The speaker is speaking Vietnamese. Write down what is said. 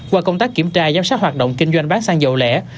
qua công tác kiểm tra giám sát hoạt động kinh doanh bán xăng dầu lẻ